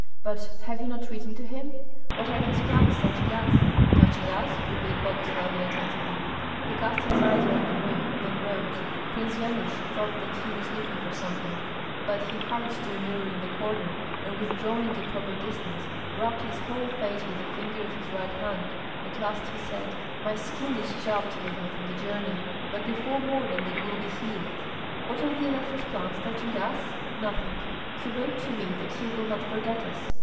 But have you not written to him? What are his plans touching us?" "Touching us?" repeated Boguslav, inattentively. He cast his eyes around the room, then rose. Prince Yanush thought that he was looking for something; but he hurried to a mirror in the corner, and withdrawing a proper distance, rubbed his whole face with a finger of his right hand; at last he said, "My skin is chapped a little from the journey, but before morning it will be healed. What are the elector's plans touching us? Nothing; he wrote to me that he will not forget us."